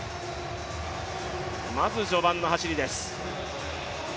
まず序盤の走りです。